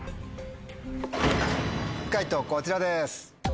解答こちらです。